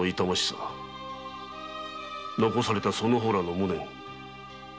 残されたその方らの無念。